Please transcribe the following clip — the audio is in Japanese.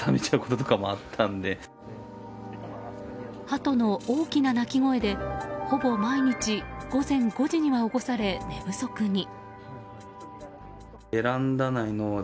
ハトの大きな鳴き声でほぼ毎日、午前５時には起こされ寝不足に。